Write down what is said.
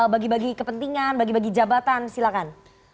bagi bagi kepentingan bagi bagi jabatan silakan